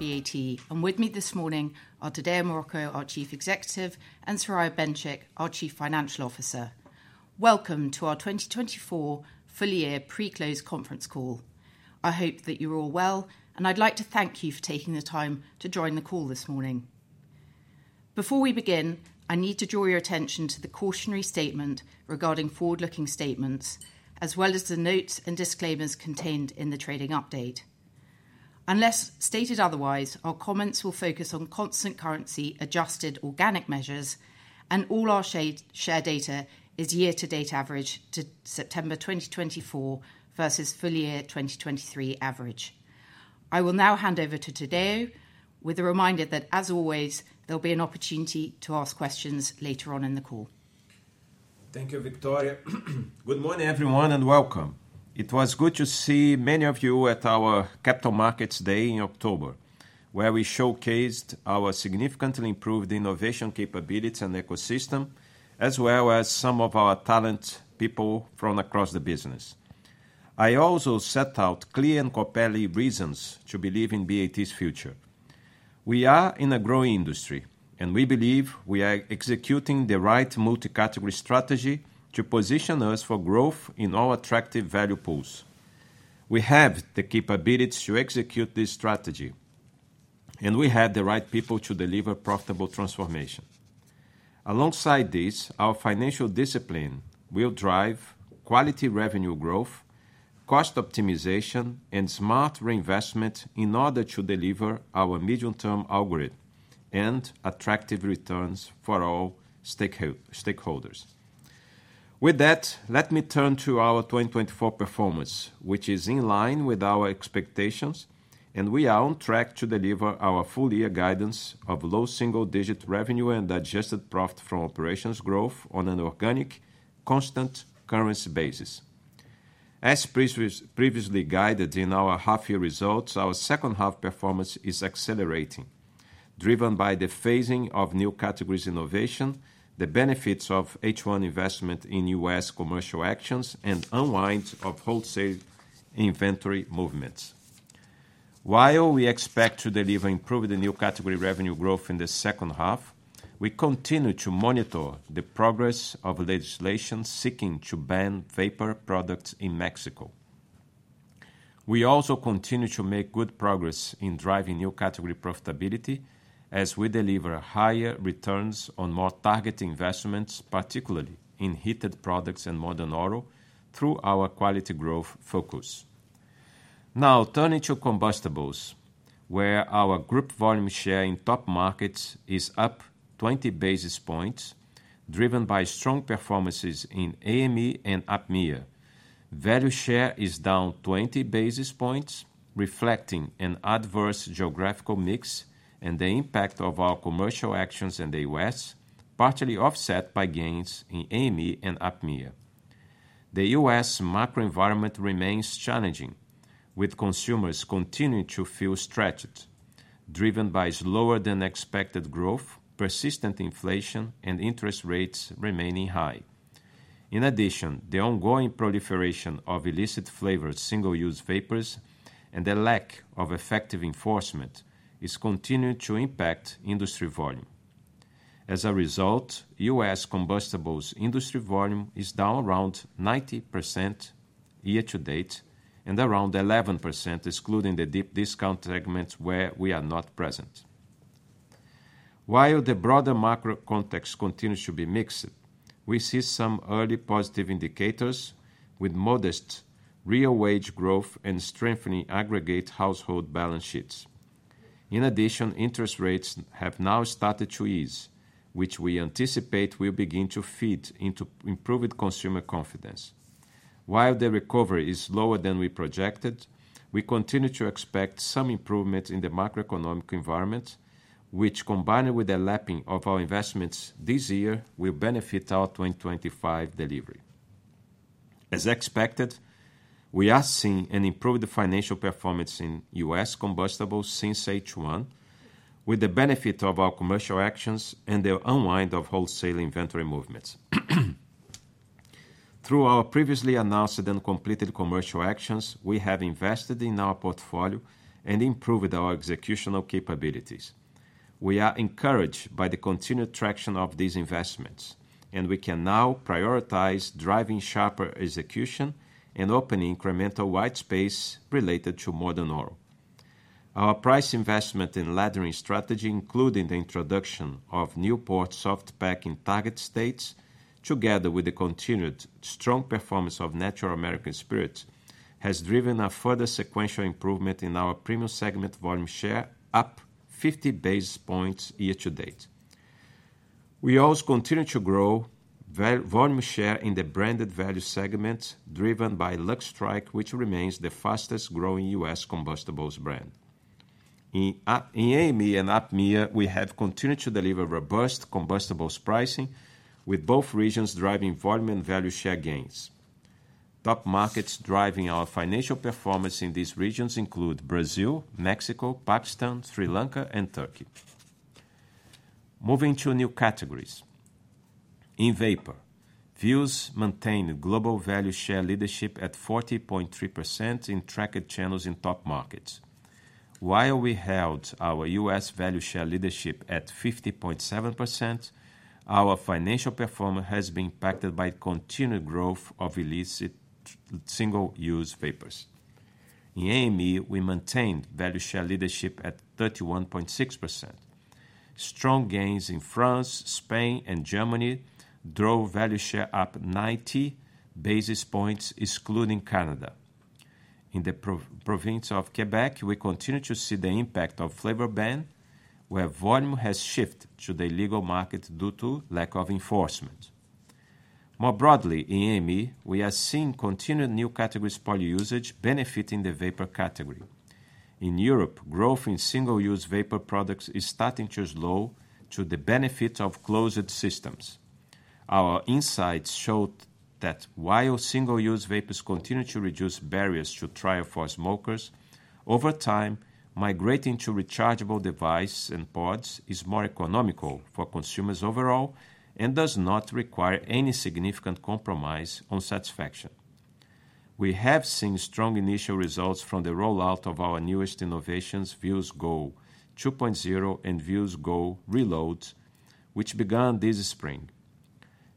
Relations at BAT, and with me this morning are Tadeu Marroco, our Chief Executive, and Soraya Benchikh, our Chief Financial Officer. Welcome to our 2024 Full-Year Pre-Close conference call. I hope that you're all well, and I'd like to thank you for taking the time to join the call this morning. Before we begin, I need to draw your attention to the cautionary statement regarding forward-looking statements, as well as the notes and disclaimers contained in the trading update. Unless stated otherwise, our comments will focus on constant currency adjusted organic measures, and all our share data is year-to-date average to September 2024 versus full-year 2023 average. I will now hand over to Tadeu, with a reminder that, as always, there'll be an opportunity to ask questions later on in the call. Thank you, Victoria. Good morning, everyone, and welcome. It was good to see many of you at our Capital Markets Day in October, where we showcased our significantly improved innovation capabilities and ecosystem, as well as some of our talented people from across the business. I also set out clear and compelling reasons to believe in BAT's future. We are in a growing industry, and we believe we are executing the right multi-category strategy to position us for growth in all attractive value pools. We have the capabilities to execute this strategy, and we have the right people to deliver profitable transformation. Alongside this, our financial discipline will drive quality revenue growth, cost optimization, and smart reinvestment in order to deliver our medium-term outlook and attractive returns for all stakeholders. With that, let me turn to our 2024 performance, which is in line with our expectations, and we are on track to deliver our full-year guidance of low single-digit revenue and adjusted profit from operations growth on an organic, constant currency basis. As previously guided in our half-year results, our second-half performance is accelerating, driven by the phasing of new categories innovation, the benefits of H1 investment in U.S. commercial actions, and unwind of wholesale inventory movements. While we expect to deliver improved new category revenue growth in the second half, we continue to monitor the progress of legislation seeking to ban vapor products in Mexico. We also continue to make good progress in driving new category profitability as we deliver higher returns on more targeted investments, particularly in heated products and modern oral, through our quality growth focus. Now, turning to combustibles, where our group volume share in top markets is up 20 basis points, driven by strong performances in AME and APMEA, value share is down 20 basis points, reflecting an adverse geographical mix and the impact of our commercial actions in the U.S., partially offset by gains in AME and APMEA. The U.S. macro environment remains challenging, with consumers continuing to feel stretched, driven by slower-than-expected growth, persistent inflation, and interest rates remaining high. In addition, the ongoing proliferation of illicit flavored single-use vapors and the lack of effective enforcement is continuing to impact industry volume. As a result, U.S. combustibles industry volume is down around 90% year-to-date and around 11%, excluding the deep discount segments where we are not present. While the broader macro context continues to be mixed, we see some early positive indicators, with modest real wage growth and strengthening aggregate household balance sheets. In addition, interest rates have now started to ease, which we anticipate will begin to feed into improved consumer confidence. While the recovery is slower than we projected, we continue to expect some improvement in the macroeconomic environment, which, combined with the lapping of our investments this year, will benefit our 2025 delivery. As expected, we are seeing an improved financial performance in U.S. combustibles since H1, with the benefit of our commercial actions and the unwind of wholesale inventory movements. Through our previously announced and completed commercial actions, we have invested in our portfolio and improved our executional capabilities. We are encouraged by the continued traction of these investments, and we can now prioritize driving sharper execution and opening incremental white space related to modern oral. Our price investment in laddering strategy, including the introduction of Newport soft pack in target states, together with the continued strong performance of Natural American Spirit, has driven a further sequential improvement in our premium segment volume share, up 50 basis points year-to-date. We also continue to grow volume share in the branded value segment, driven by Lucky Strike, which remains the fastest-growing US combustibles brand. In AME and APMEA, we have continued to deliver robust combustibles pricing, with both regions driving volume and value share gains. Top markets driving our financial performance in these regions include Brazil, Mexico, Pakistan, Sri Lanka, and Turkey. Moving to new categories. In vapor, we maintain global value share leadership at 40.3% in tracked channels in top markets. While we held our U.S. value share leadership at 50.7%, our financial performance has been impacted by continued growth of illicit single-use vapors. In AME, we maintained value share leadership at 31.6%. Strong gains in France, Spain, and Germany drove value share up 90 basis points, excluding Canada. In the province of Quebec, we continue to see the impact of flavor ban, where volume has shifted to the legal market due to lack of enforcement. More broadly, in AME, we are seeing continued new category poly-usage, benefiting the vapor category. In Europe, growth in single-use vapor products is starting to slow to the benefit of closed systems. Our insights show that while single-use vapors continue to reduce barriers to try or former smokers, over time, migrating to rechargeable devices and pods is more economical for consumers overall and does not require any significant compromise on satisfaction. We have seen strong initial results from the rollout of our newest innovations, Vuse Go 2.0 and Vuse Go Reload, which began this spring.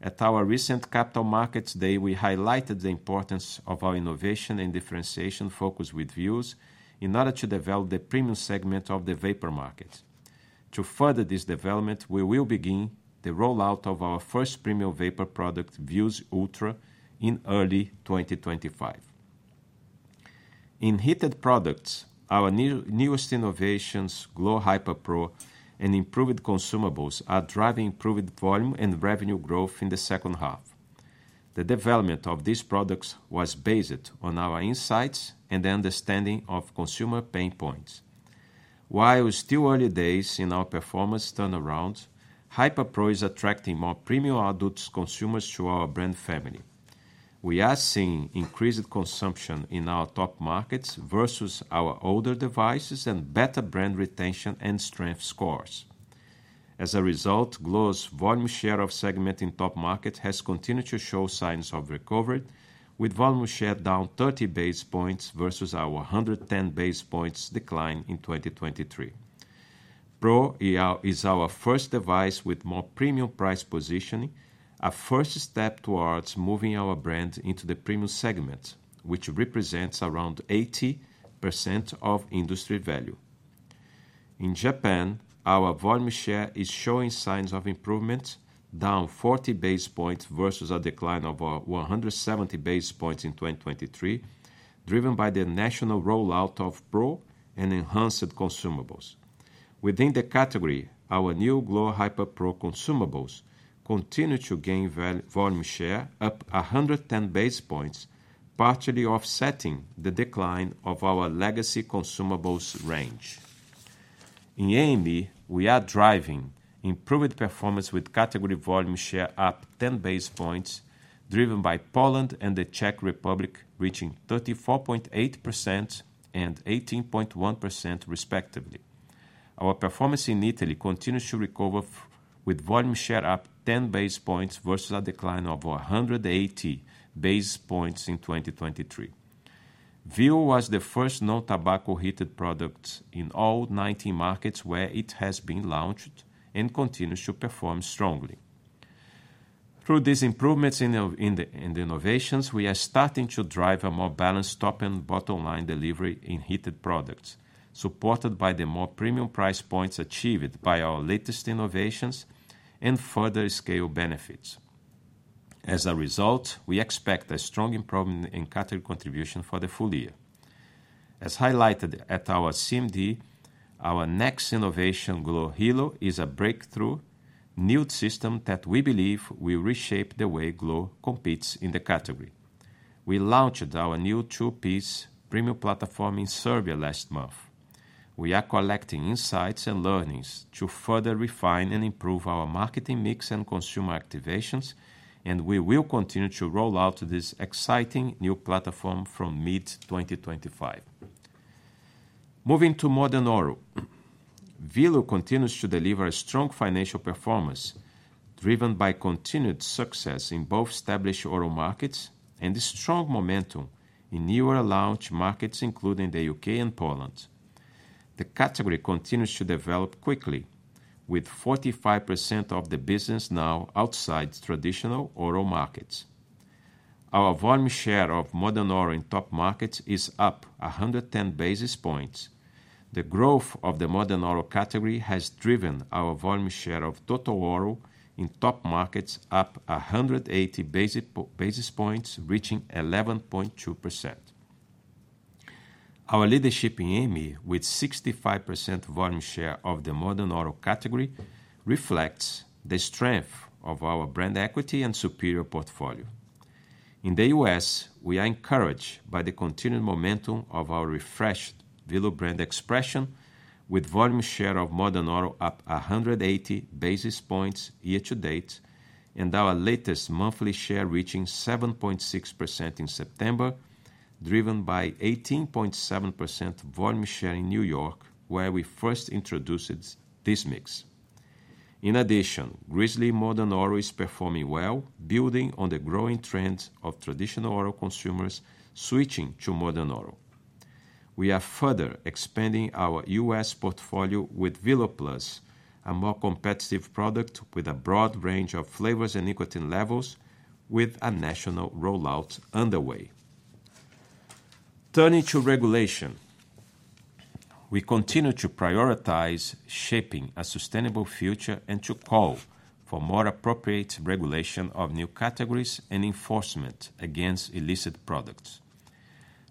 At our recent Capital Markets Day, we highlighted the importance of our innovation and differentiation focus with Vuse in order to develop the premium segment of the vapor market. To further this development, we will begin the rollout of our first premium vapor product, Vuse Ultra, in early 2025. In heated products, our newest innovations, glo Hyper Pro and improved consumables, are driving improved volume and revenue growth in the second half. The development of these products was based on our insights and the understanding of consumer pain points. While still early days in our performance turnaround, glo Hyper Pro is attracting more premium adult consumers to our brand family. We are seeing increased consumption in our top markets versus our older devices and better brand retention and strength scores. As a result, glo's volume share of segment in top market has continued to show signs of recovery, with volume share down 30 basis points versus our 110 basis points decline in 2023. Pro is our first device with more premium price positioning, a first step towards moving our brand into the premium segment, which represents around 80% of industry value. In Japan, our volume share is showing signs of improvement, down 40 basis points versus a decline of 170 basis points in 2023, driven by the national rollout of Pro and enhanced consumables. Within the category, our new glo Hyper Pro consumables continue to gain volume share, up 110 basis points, partially offsetting the decline of our legacy consumables range. In AME, we are driving improved performance with category volume share up 10 basis points, driven by Poland and the Czech Republic reaching 34.8% and 18.1%, respectively. Our performance in Italy continues to recover, with volume share up 10 basis points versus a decline of 180 basis points in 2023. Velo was the first non-tobacco heated product in all 19 markets where it has been launched and continues to perform strongly. Through these improvements in the innovations, we are starting to drive a more balanced top- and bottom-line delivery in heated products, supported by the more premium price points achieved by our latest innovations and further scale benefits. As a result, we expect a strong improvement in category contribution for the full year. As highlighted at our CMD, our next innovation, glo Hilo, is a breakthrough new system that we believe will reshape the way glo competes in the category. We launched our new two-piece premium platform in Serbia last month. We are collecting insights and learnings to further refine and improve our marketing mix and consumer activations, and we will continue to roll out this exciting new platform from mid-2025. Moving to modern oral, Velo continues to deliver strong financial performance, driven by continued success in both established oral markets and strong momentum in newer launch markets, including the U.K. and Poland. The category continues to develop quickly, with 45% of the business now outside traditional oral markets. Our volume share of modern oral in top markets is up 110 basis points. The growth of the modern oral category has driven our volume share of total oral in top markets up 180 basis points, reaching 11.2%. Our leadership in AME, with 65% volume share of the modern oral category, reflects the strength of our brand equity and superior portfolio. In the U.S., we are encouraged by the continued momentum of our refreshed Velo brand expression, with volume share of modern oral up 180 basis points year-to-date and our latest monthly share reaching 7.6% in September, driven by 18.7% volume share in New York, where we first introduced this mix. In addition, Grizzly Modern Oral is performing well, building on the growing trend of traditional oral consumers switching to modern oral. We are further expanding our U.S. portfolio with Velo Plus, a more competitive product with a broad range of flavors and nicotine levels, with a national rollout underway. Turning to regulation, we continue to prioritize shaping a sustainable future and to call for more appropriate regulation of new categories and enforcement against illicit products.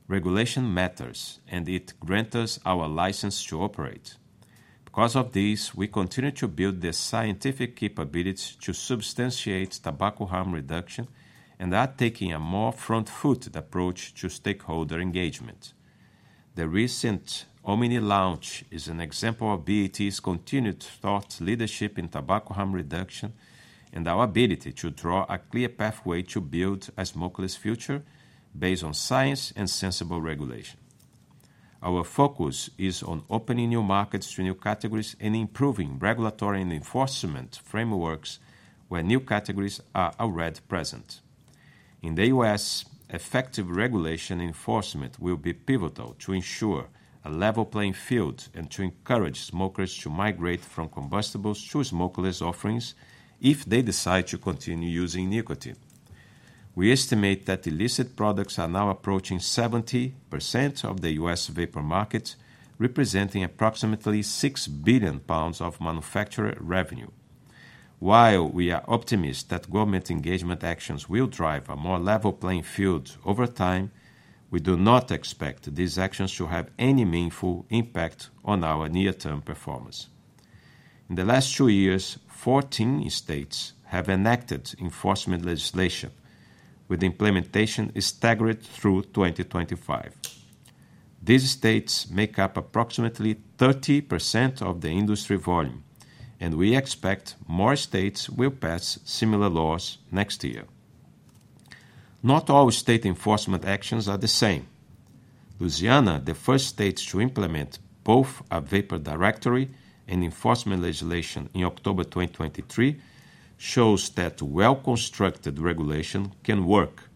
Regulation matters, and it grants us our license to operate. Because of this, we continue to build the scientific capabilities to substantiate tobacco harm reduction and are taking a more front-footed approach to stakeholder engagement. The recent Omni launch is an example of BAT's continued thought leadership in tobacco harm reduction and our ability to draw a clear pathway to build a smokeless future based on science and sensible regulation. Our focus is on opening new markets to new categories and improving regulatory and enforcement frameworks where new categories are already present. In the U.S., effective regulation enforcement will be pivotal to ensure a level playing field and to encourage smokers to migrate from combustibles to smokeless offerings if they decide to continue using nicotine. We estimate that illicit products are now approaching 70% of the U.S. vapor market, representing approximately 6 billion pounds of manufacturer revenue. While we are optimistic that government engagement actions will drive a more level playing field over time, we do not expect these actions to have any meaningful impact on our near-term performance. In the last two years, 14 states have enacted enforcement legislation, with implementation staggered through 2025. These states make up approximately 30% of the industry volume, and we expect more states will pass similar laws next year. Not all state enforcement actions are the same. Louisiana, the first state to implement both a vapor directory and enforcement legislation in October 2023, shows that well-constructed regulation can work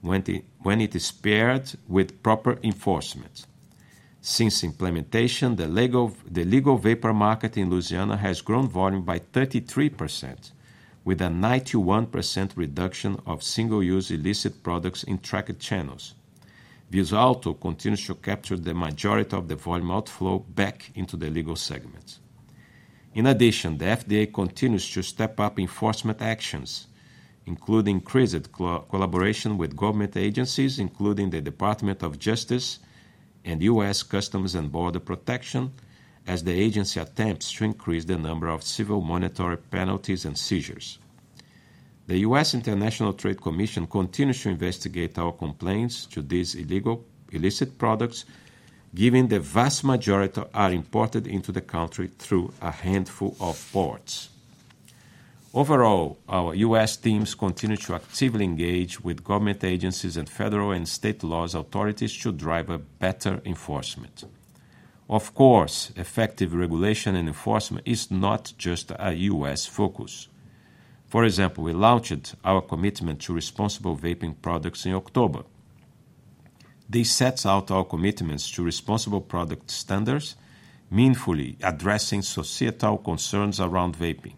when it is paired with proper enforcement. Since implementation, the legal vapor market in Louisiana has grown volume by 33%, with a 91% reduction of single-use illicit products in tracked channels. Vuse also continues to capture the majority of the volume outflow back into the legal segment. In addition, the FDA continues to step up enforcement actions, including increased collaboration with government agencies, including the Department of Justice and U.S. Customs and Border Protection, as the agency attempts to increase the number of civil monetary penalties and seizures. The U.S. International Trade Commission continues to investigate our complaints to these illegal illicit products, given the vast majority are imported into the country through a handful of ports. Overall, our U.S. teams continue to actively engage with government agencies and federal and state law enforcement authorities to drive a better enforcement. Of course, effective regulation and enforcement is not just a U.S. focus. For example, we launched our commitment to responsible vaping products in October. This sets out our commitments to responsible product standards, meaningfully addressing societal concerns around vaping.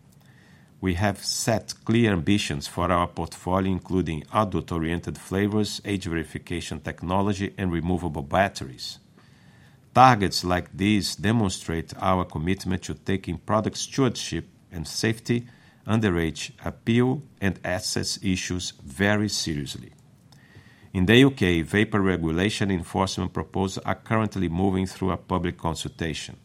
We have set clear ambitions for our portfolio, including adult-oriented flavors, age verification technology, and removable batteries. Targets like these demonstrate our commitment to taking product stewardship and safety, underage appeal, and access issues very seriously. In the U.K., vapor regulation enforcement proposals are currently moving through a public consultation.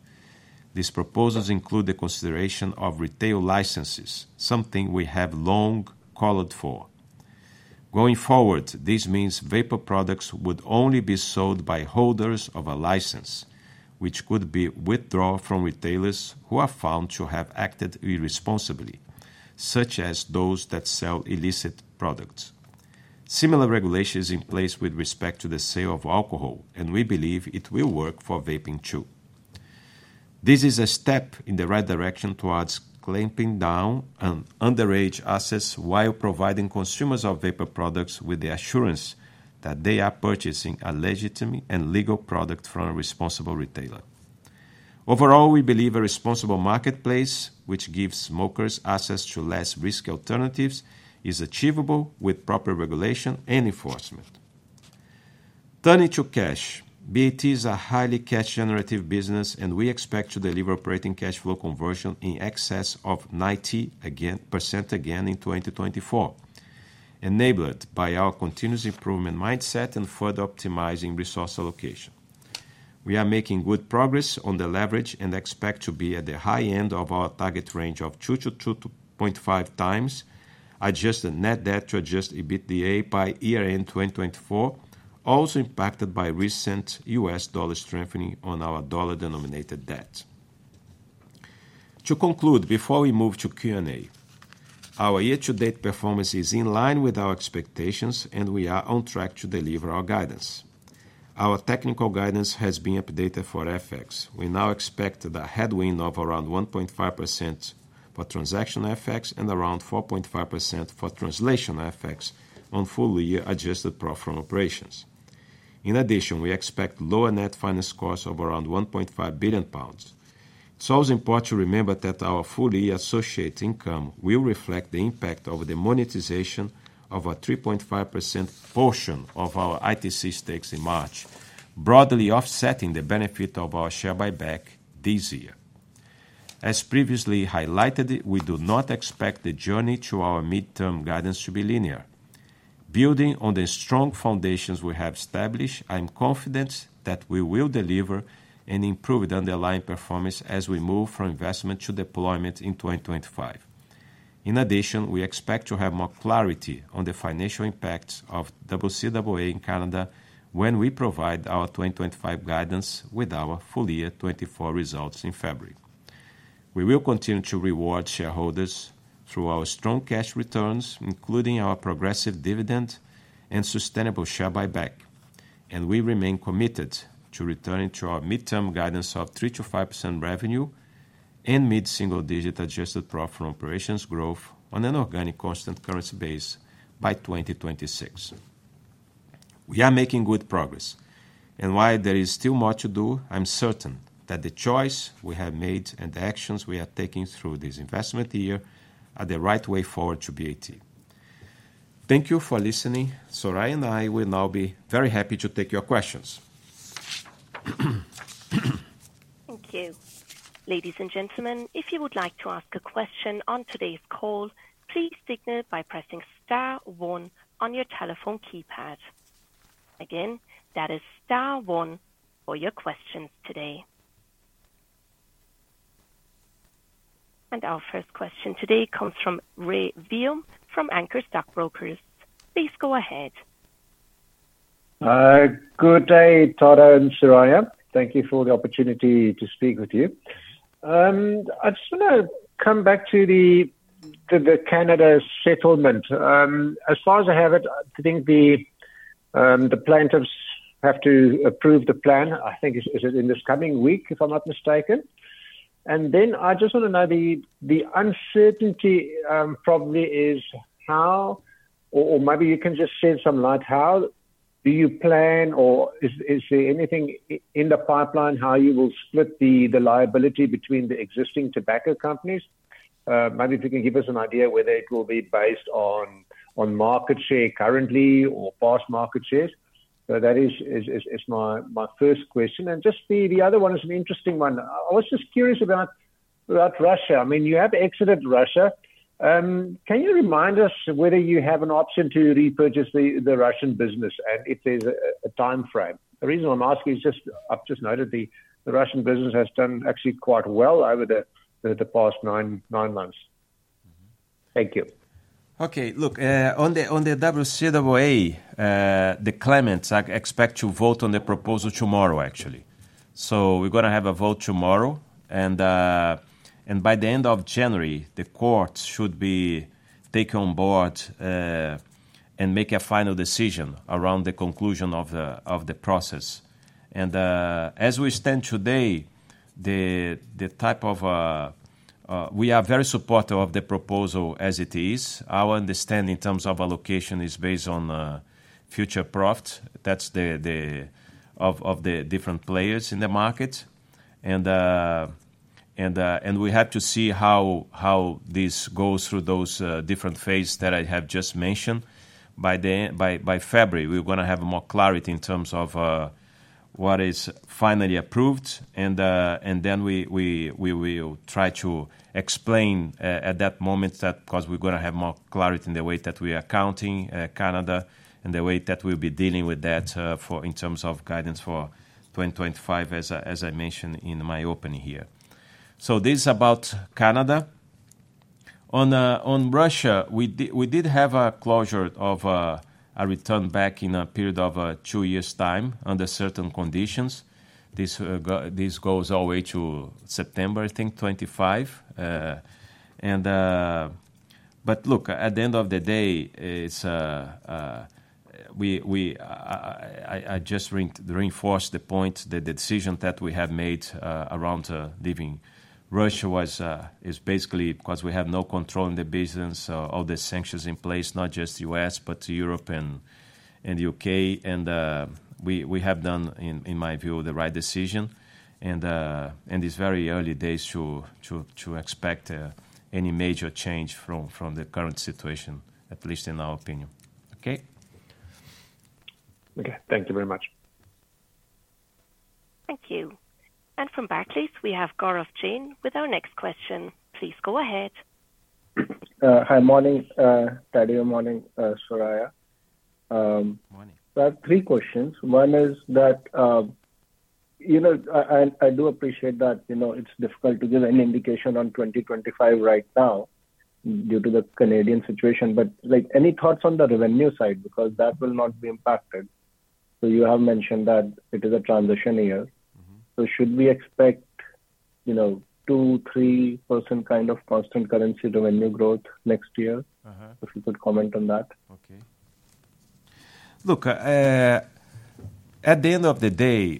These proposals include the consideration of retail licenses, something we have long called for. Going forward, this means vapor products would only be sold by holders of a license, which could be withdrawn from retailers who are found to have acted irresponsibly, such as those that sell illicit products. Similar regulation is in place with respect to the sale of alcohol, and we believe it will work for vaping too. This is a step in the right direction towards clamping down on underage access while providing consumers of vapor products with the assurance that they are purchasing a legitimate and legal product from a responsible retailer. Overall, we believe a responsible marketplace, which gives smokers access to less risky alternatives, is achievable with proper regulation and enforcement. Turning to cash, BAT is a highly cash-generative business, and we expect to deliver operating cash flow conversion in excess of 90% again in 2024, enabled by our continuous improvement mindset and further optimizing resource allocation. We are making good progress on the leverage and expect to be at the high end of our target range of 2-2.5 times, adjusted net debt to adjusted EBITDA by year-end 2024, also impacted by recent U.S. dollar strengthening on our dollar-denominated debt. To conclude, before we move to Q&A, our year-to-date performance is in line with our expectations, and we are on track to deliver our guidance. Our technical guidance has been updated for FX. We now expect a headwind of around 1.5% for transactional FX and around 4.5% for translational FX on full-year adjusted profit from operations. In addition, we expect lower net finance costs of around 1.5 billion pounds. It's also important to remember that our full-year associate income will reflect the impact of the monetization of a 3.5% portion of our ITC stakes in March, broadly offsetting the benefit of our share buyback this year. As previously highlighted, we do not expect the journey to our midterm guidance to be linear. Building on the strong foundations we have established, I am confident that we will deliver an improved underlying performance as we move from investment to deployment in 2025. In addition, we expect to have more clarity on the financial impacts of CCAA in Canada when we provide our 2025 guidance with our full-year 2024 results in February. We will continue to reward shareholders through our strong cash returns, including our progressive dividend and sustainable share buyback, and we remain committed to returning to our midterm guidance of 3%-5% revenue and mid-single-digit adjusted profit from operations growth on an organic constant currency base by 2026. We are making good progress, and while there is still more to do, I'm certain that the choice we have made and the actions we are taking through this investment year are the right way forward at BAT. Thank you for listening. Soraya and I will now be very happy to take your questions. Thank you. Ladies and gentlemen, if you would like to ask a question on today's call, please signal by pressing star one on your telephone keypad. Again, that is star one for your questions today. And our first question today comes from Rey Wium from Anchor Stockbrokers. Please go ahead. Good day, Tadeu and Soraya. Thank you for the opportunity to speak with you. I just want to come back to the Canada settlement. As far as I have it, I think the plaintiffs have to approve the plan. I think it's in this coming week, if I'm not mistaken. And then I just want to know the uncertainty probably is how, or maybe you can just shed some light, how do you plan, or is there anything in the pipeline how you will split the liability between the existing tobacco companies? Maybe if you can give us an idea whether it will be based on market share currently or past market shares. So that is my first question. And just the other one is an interesting one. I was just curious about Russia. I mean, you have exited Russia. Can you remind us whether you have an option to repurchase the Russian business and if there's a time frame? The reason I'm asking is just I've just noted the Russian business has done actually quite well over the past nine months. Thank you. Okay. Look, on the CCAA, the claimants expect to vote on the proposal tomorrow, actually. So we're going to have a vote tomorrow, and by the end of January, the court should take on board and make a final decision around the conclusion of the process. And as we stand today, we are very supportive of the proposal as it is. Our understanding in terms of allocation is based on future profits, that's the share of the different players in the market. And we have to see how this goes through those different phases that I have just mentioned. By February, we're going to have more clarity in terms of what is finally approved, and then we will try to explain at that moment that because we're going to have more clarity in the way that we are counting Canada and the way that we'll be dealing with that in terms of guidance for 2025, as I mentioned in my opening here. So this is about Canada. On Russia, we did have a closure of a return back in a period of two years' time under certain conditions. This goes all the way to September, I think, 2025. But look, at the end of the day, I just reinforced the point that the decision that we have made around leaving Russia is basically because we have no control in the business, all the sanctions in place, not just the U.S., but Europe and the U.K. We have done, in my view, the right decision. It's very early days to expect any major change from the current situation, at least in our opinion. Okay? Okay. Thank you very much. Thank you. From Barclays, we have Gaurav Jain with our next question. Please go ahead. Hi, morning. Tadeu, morning, Soraya. Morning. I have three questions. One is that I do appreciate that it's difficult to give any indication on 2025 right now due to the Canadian situation, but any thoughts on the revenue side because that will not be impacted? You have mentioned that it is a transition year. Should we expect 2%-3% kind of constant currency revenue growth next year? If you could comment on that. Okay. Look, at the end of the day,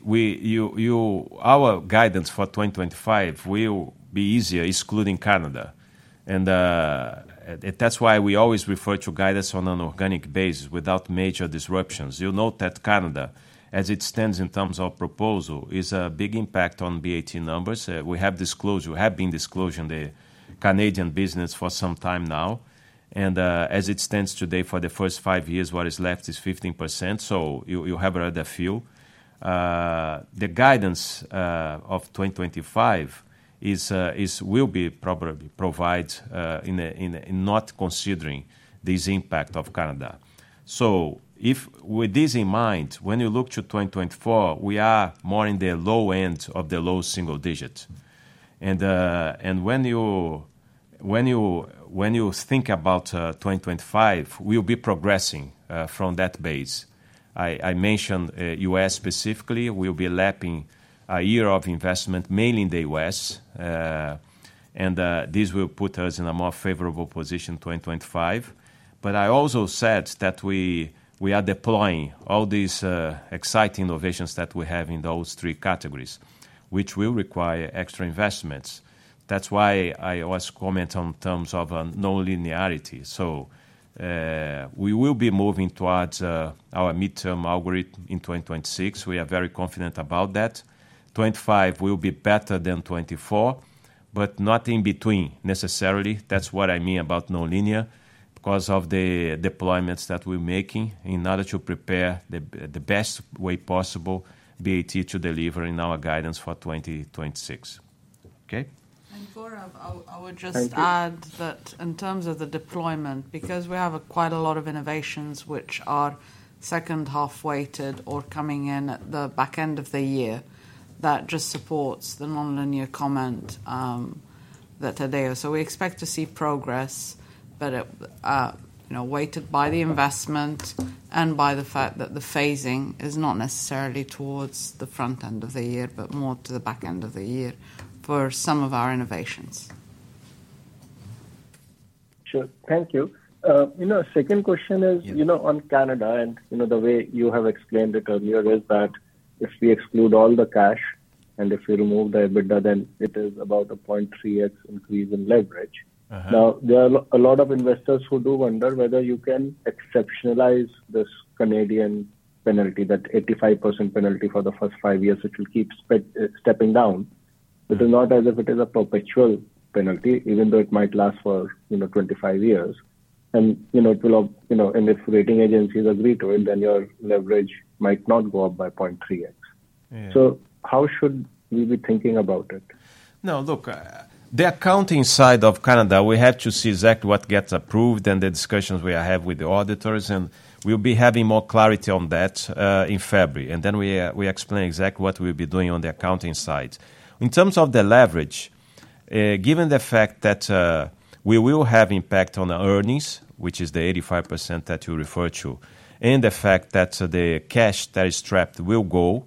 our guidance for 2025 will be easier, excluding Canada. That's why we always refer to guidance on an organic basis without major disruptions. You note that Canada, as it stands in terms of proposal, is a big impact on BAT numbers. We have disclosed, we have been disclosing the Canadian business for some time now. As it stands today, for the first five years, what is left is 15%. So you have heard a few. The guidance of 2025 will be probably provided in not considering this impact of Canada. With this in mind, when you look to 2024, we are more in the low end of the low single digit. When you think about 2025, we'll be progressing from that base. I mentioned US specifically will be lapping a year of investment mainly in the US. This will put us in a more favorable position in 2025. But I also said that we are deploying all these exciting innovations that we have in those three categories, which will require extra investments. That's why I always comment in terms of non-linearity. So we will be moving towards our mid-term algorithm in 2026. We are very confident about that. 2025 will be better than 2024, but not in between necessarily. That's what I mean about non-linear because of the deployments that we're making in order to prepare the best way possible BAT to deliver in our guidance for 2026. Okay? And Gaurav, I would just add that in terms of the deployment, because we have quite a lot of innovations which are second-half weighted or coming in at the back end of the year that just supports the non-linear comment that Tadeu. So we expect to see progress, but weighted by the investment and by the fact that the phasing is not necessarily towards the front end of the year, but more to the back end of the year for some of our innovations. Sure. Thank you. A second question is on Canada, and the way you have explained it earlier is that if we exclude all the cash and if we remove the EBITDA, then it is about a 0.3x increase in leverage. Now, there are a lot of investors who do wonder whether you can exceptionalize this Canadian penalty, that 85% penalty for the first five years, which will keep stepping down. This is not as if it is a perpetual penalty, even though it might last for 25 years. And if rating agencies agree to it, then your leverage might not go up by 0.3x. So how should we be thinking about it? No, look, the accounting side of Canada, we have to see exactly what gets approved and the discussions we have with the auditors. And we'll be having more clarity on that in February. And then we explain exactly what we'll be doing on the accounting side. In terms of the leverage, given the fact that we will have impact on the earnings, which is the 85% that you referred to, and the fact that the cash that is trapped will go,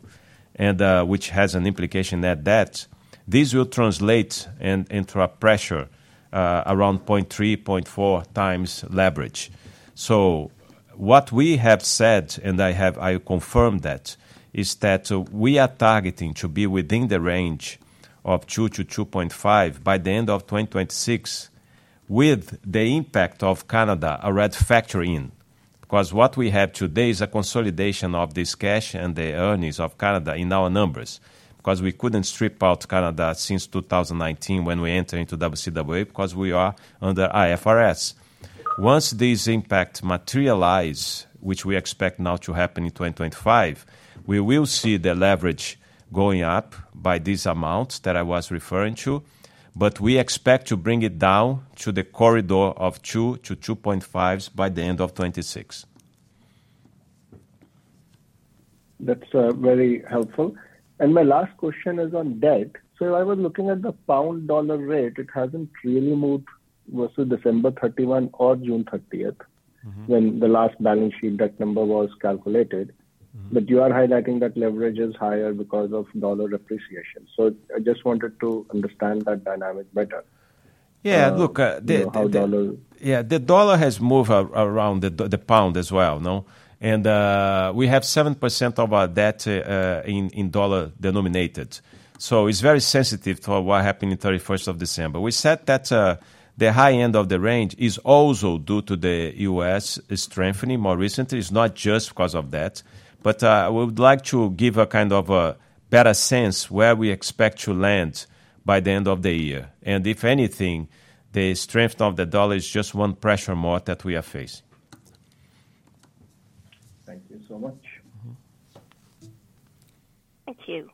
which has an implication on debt, this will translate into a pressure around 0.3-0.4 times leverage. So what we have said, and I confirm that, is that we are targeting to be within the range of 2-2.5 by the end of 2026 with the impact of Canada already factoring in. Because what we have today is a consolidation of this cash and the earnings of Canada in our numbers because we couldn't strip out Canada since 2019 when we entered into CCAA because we are under IFRS. Once these impacts materialize, which we expect now to happen in 2025, we will see the leverage going up by these amounts that I was referring to, but we expect to bring it down to the corridor of 2 to 2.5 by the end of 2026. That's very helpful. And my last question is on debt. So I was looking at the pound-dollar rate. It hasn't really moved versus December 31 or June 30th when the last balance sheet debt number was calculated. But you are highlighting that leverage is higher because of dollar appreciation. So I just wanted to understand that dynamic better. Yeah. Look, the dollar has moved around the pound as well. And we have 7% of our debt in dollar-denominated. So it's very sensitive to what happened on 31st of December. We said that the high end of the range is also due to the U.S. strengthening more recently. It's not just because of that. But we would like to give a kind of a better sense where we expect to land by the end of the year. And if anything, the strength of the dollar is just one pressure more that we are facing. Thank you so much. Thank you.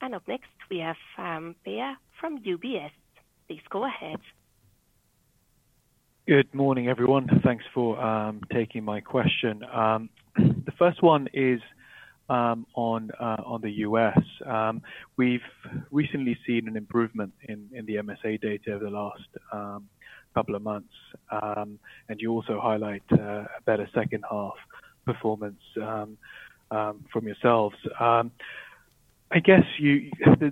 And up next, we have Bea from UBS. Please go ahead. Good morning, everyone. Thanks for taking my question. The first one is on the U.S. We've recently seen an improvement in the MSA data over the last couple of months. And you also highlight a better second half performance from yourselves. I guess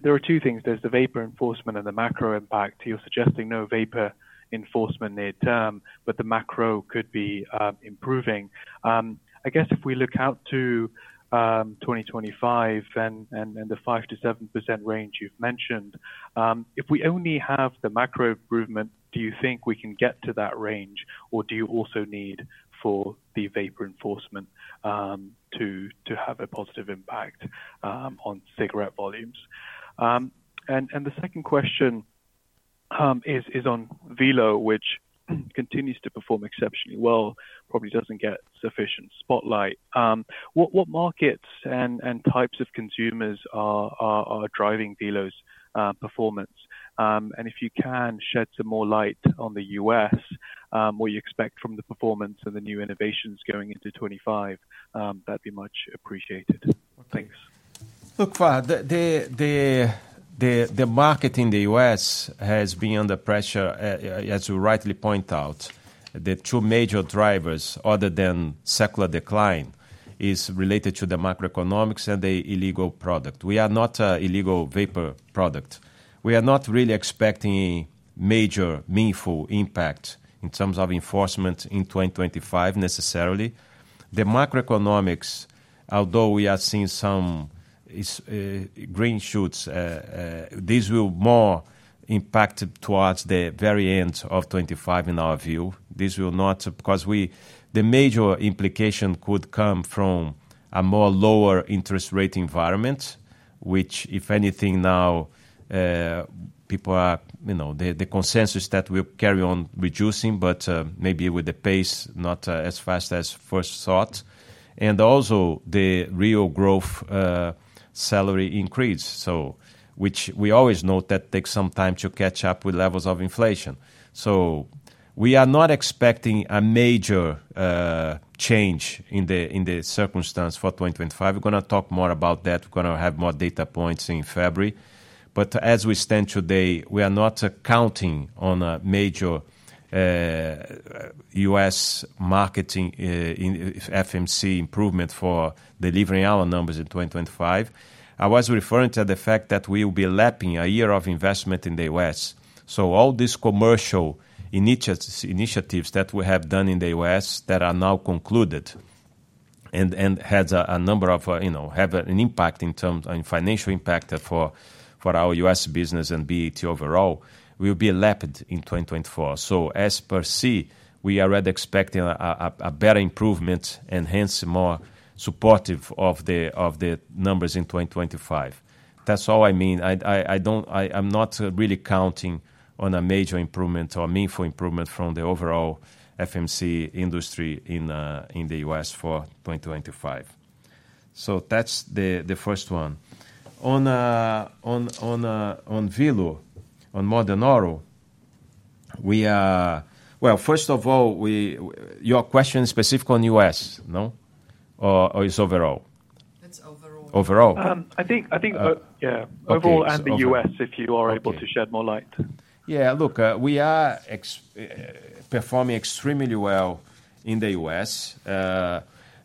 there are two things. There's the vapor enforcement and the macro impact. You're suggesting no vapor enforcement near term, but the macro could be improving. I guess if we look out to 2025 and the 5%-7% range you've mentioned, if we only have the macro improvement, do you think we can get to that range, or do you also need for the vapor enforcement to have a positive impact on cigarette volumes? And the second question is on Velo, which continues to perform exceptionally well, probably doesn't get sufficient spotlight. What markets and types of consumers are driving Velo's performance? And if you can shed some more light on the U.S., what you expect from the performance and the new innovations going into 2025, that'd be much appreciated. Thanks. Look, the market in the U.S. has been under pressure, as you rightly point out. The two major drivers, other than secular decline, are related to the macroeconomics and the illegal product. We are not an illegal vapor product. We are not really expecting a major meaningful impact in terms of enforcement in 2025 necessarily. The macroeconomics, although we are seeing some green shoots, this will more impact towards the very end of 2025 in our view. This will not because the major implication could come from a more lower interest rate environment, which, if anything, now people are the consensus that we'll carry on reducing, but maybe with the pace, not as fast as first thought. And also the real growth salary increase, which we always know that takes some time to catch up with levels of inflation. So we are not expecting a major change in the circumstance for 2025. We're going to talk more about that. We're going to have more data points in February. But as we stand today, we are not counting on a major U.S. market in FMCG improvement for delivering our numbers in 2025. I was referring to the fact that we will be lapping a year of investment in the U.S. So all these commercial initiatives that we have done in the U.S. that are now concluded and have an impact in terms of financial impact for our U.S. business and BAT overall will be lapped in 2024. So, per se, we are already expecting a better improvement and hence more supportive of the numbers in 2025. That's all I mean. I'm not really counting on a major improvement or meaningful improvement from the overall FMCG industry in the U.S. for 2025. So that's the first one. On Velo, on modern oral, well, first of all, your question is specific on U.S., no? Or it's overall? It's overall. Overall. I think, Yeah, overall and the US, if you are able to shed more light. Yeah. Look, we are performing extremely well in the U.S.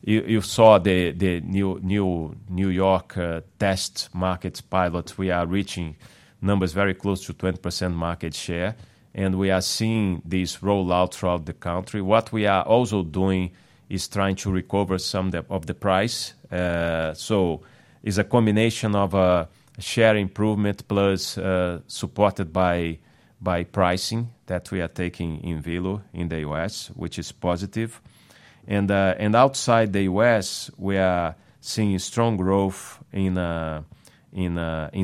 You saw the New York test markets pilot. We are reaching numbers very close to 20% market share. And we are seeing this rollout throughout the country. What we are also doing is trying to recover some of the price. So it's a combination of a share improvement plus supported by pricing that we are taking in Velo in the U.S., which is positive. And outside the U.S., we are seeing strong growth in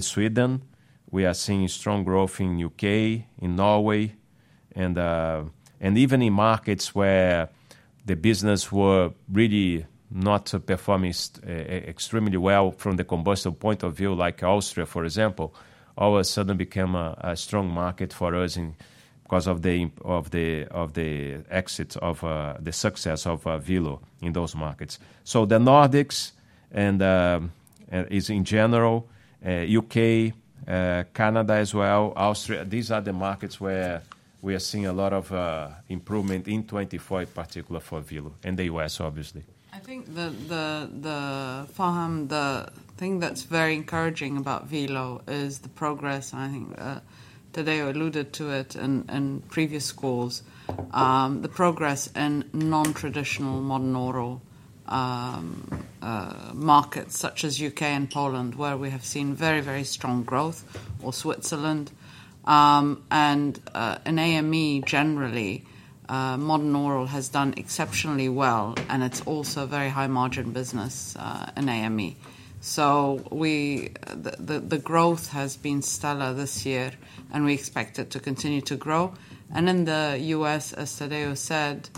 Sweden. We are seeing strong growth in the U.K., in Norway, and even in markets where the business were really not performing ex.tremely well from the combustible point of view, like Austria, for example. All of a sudden became a strong market for us because of the success of Velo in those markets. The Nordics and, in general, U.K., Canada as well, Austria, these are the markets where we are seeing a lot of improvement in 2024, particularly for Velo and the U.S., obviously. I think the thing that's very encouraging about Velo is the progress. I think Tadeu alluded to it in previous calls, the progress in non-traditional modern oral markets such as U.K. and Poland, where we have seen very, very strong growth, or Switzerland. In AME, generally, modern oral has done exceptionally well. It's also a very high-margin business in AME. So the growth has been stellar this year, and we expect it to continue to grow. And in the US, as Tadeu said,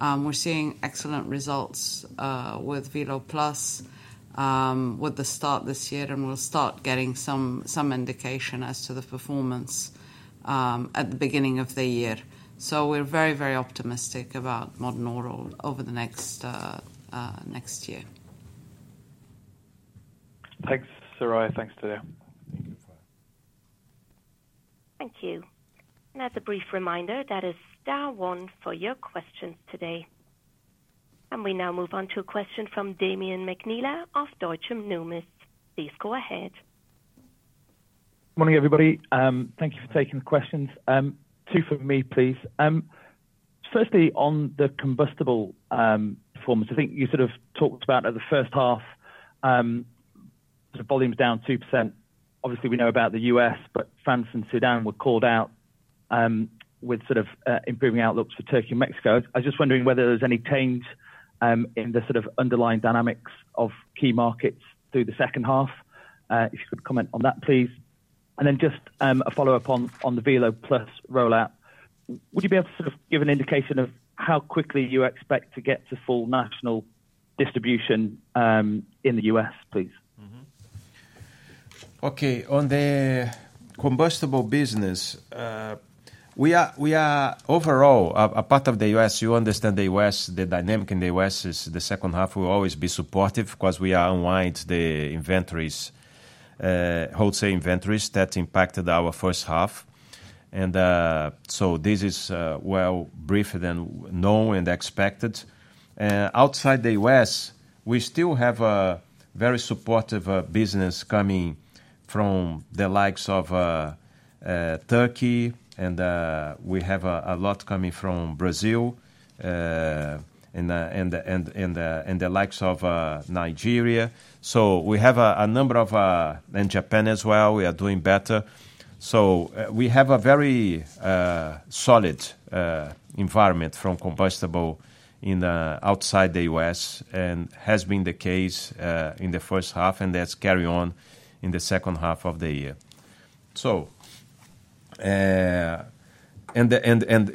we're seeing excellent results with Velo Plus with the start this year, and we'll start getting some indication as to the performance at the beginning of the year. So we're very, very optimistic about modern oral over the next year. Thanks, Soraya. Thanks, Tadeu. Thank you. And as a brief reminder, that's one for your questions today. And we now move on to a question from Damian McNeela of Deutsche Numis. Please go ahead. Good morning, everybody. Thank you for taking the questions. Two for me, please. Firstly, on the combustible performance, I think you sort of talked about in the first half, the volume is down 2%. Obviously, we know about the U.S., but France and Sudan were called out with sort of improving outlooks for Turkey and Mexico. I was just wondering whether there's any change in the sort of underlying dynamics of key markets through the second half. If you could comment on that, please. And then just a follow-up on the Velo Plus rollout. Would you be able to sort of give an indication of how quickly you expect to get to full national distribution in the U.S., please? Okay. On the combustible business, we are overall apart from the U.S. You understand the U.S., the dynamic in the U.S. is the second half will always be supportive because we are unwinding the inventories, wholesale inventories that impacted our first half. And so this is well briefed and known and expected. Outside the U.S., we still have a very supportive business coming from the likes of Turkey, and we have a lot coming from Brazil and the likes of Nigeria. So we have a number of, and Japan as well, we are doing better. So we have a very solid environment from combustible outside the U.S., and has been the case in the first half, and that's carrying on in the second half of the year, and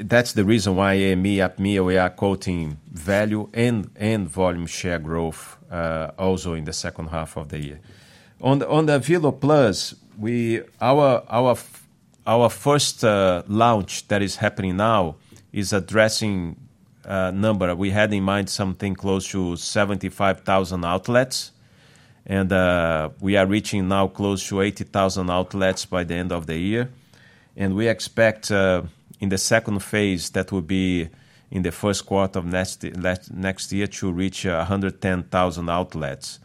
that's the reason why AME, APMEA, we are quoting value and volume share growth also in the second half of the year. On the Velo Plus, our first launch that is happening now is addressing number. We had in mind something close to 75,000 outlets, and we are reaching now close to 80,000 outlets by the end of the year. And we expect in the second phase that will be in the Q1 of next year to reach 110,000 outlets.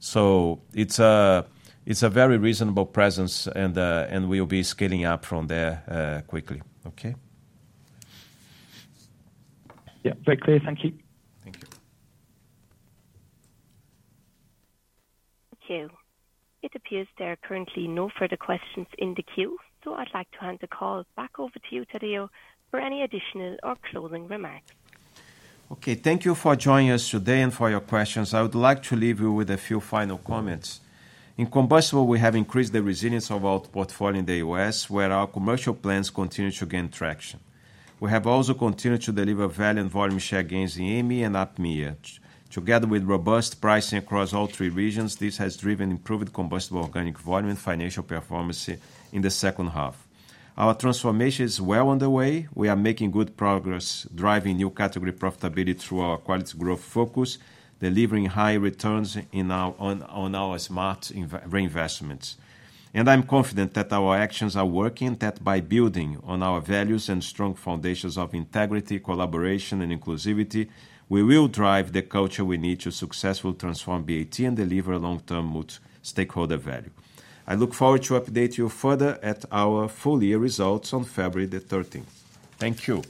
So it's a very reasonable presence, and we'll be scaling up from there quickly. Okay? Yeah. Very clear. Thank you. Thank you. Thank you. It appears there are currently no further questions in the queue. So I'd like to hand the call back over to you, Tadeu, for any additional or closing remarks. Okay. Thank you for joining us today and for your questions. I would like to leave you with a few final comments. In combustibles, we have increased the resilience of our portfolio in the U.S., where our commercial plans continue to gain traction. We have also continued to deliver value and volume share gains in AME and APMEA yet. Together with robust pricing across all three regions, this has driven improved combustibles organic volume and financial performance in the second half. Our transformation is well underway. We are making good progress, driving new category profitability through our quality growth focus, delivering high returns on our smart reinvestments, and I'm confident that our actions are working, that by building on our values and strong foundations of integrity, collaboration, and inclusivity, we will drive the culture we need to successfully transform BAT and deliver long-term stakeholder value. I look forward to updating you further at our full year results on February the 13th. Thank you.